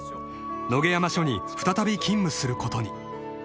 ［野毛山署に再び勤務することに］